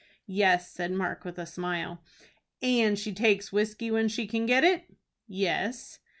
"Yes," said Mark, with a smile. "And she takes whiskey when she can get it?" "Yes."